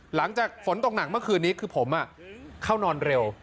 หลังจากฝนตกหนักเมื่อคืนนี้คือผมเข้านอนเร็ว